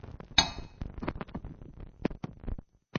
درمل د سی ار جي پي اغېزې مخنیوي کوي.